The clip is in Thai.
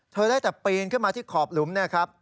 ได้แต่ปีนขึ้นมาที่ขอบหลุมเนี่ยครับ